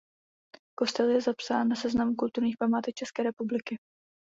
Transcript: Kostel je zapsán na seznam kulturních památek České republiky.